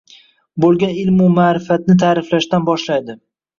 bo'lgan ilmu ma`rifatni ta`riflashdan boshlaydi.